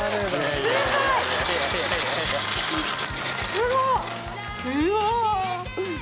すごっ！